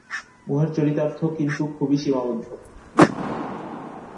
উহার চরিতার্থ কিন্তু খুবই সীমাবদ্ধ।